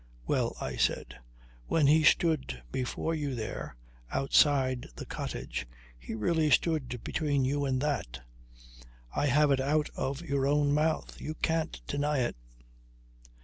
"Well," I said, "when he stood before you there, outside the cottage, he really stood between you and that. I have it out of your own mouth. You can't deny it."